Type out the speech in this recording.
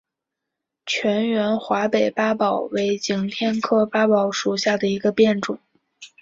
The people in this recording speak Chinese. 全缘华北八宝为景天科八宝属下的一个变种。